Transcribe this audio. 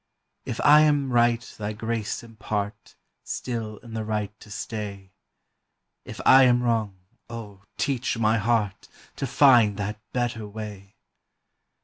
If I am right thy grace impart Still in the right to stay; If I am wrong, O, teach my heart To find that better way!